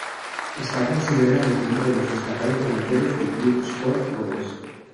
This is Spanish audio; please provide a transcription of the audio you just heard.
Está considerado dentro de los destacados delanteros del Club Sport Boys.